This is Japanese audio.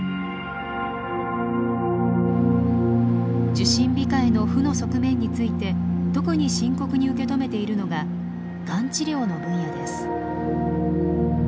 受診控えの負の側面について特に深刻に受け止めているのががん治療の分野です。